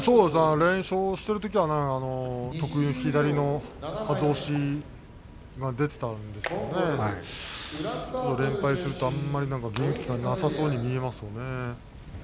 連勝してるときには左のはず押しが出ていたんですけどもね連敗するとあまり動きがなさそうに見えますよね。